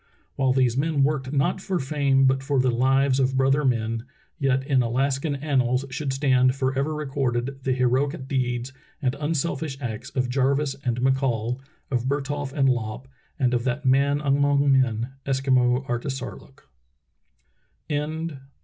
While these men worked not for fame but for the lives of brother men, yet in Alaskan annals should stand forever recorded the heroic deeds and unselfish acts of Jarvis and McCall, of Bertholf and Lopp, and of that man among men — Eskimo Artisarlook.